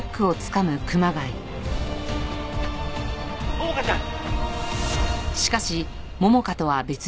桃香ちゃん！